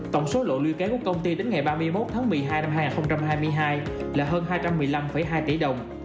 tổng số lộ lưu kế của công ty đến ngày ba mươi một tháng một mươi hai năm hai nghìn hai mươi hai là hơn hai trăm một mươi năm hai tỷ đồng